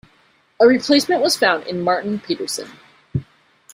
A replacement was found in Martin Pedersen.